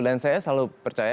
dan saya selalu percaya